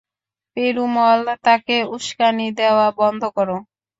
পেরুমল, তাকে উসকানি দেওয়া বন্ধ করো।